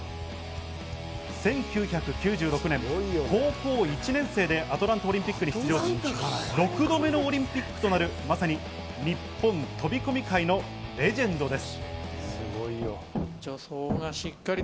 １９９６年、高校１年生でアトランタオリンピックに出場し、６度目のオリンピックとなる、まさに日本飛び込み界のレジェンドです。